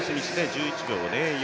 １１秒０４。